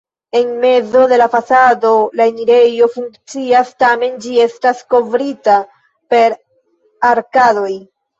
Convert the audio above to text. En mezo de la fasado la enirejo funkcias, tamen ĝi estas kovrita per arkadoj.